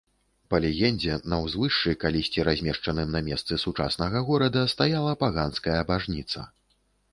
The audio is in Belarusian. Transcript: Па легендзе, на ўзвышшы, калісьці размешчаным на месцы сучаснага горада, стаяла паганская бажніца.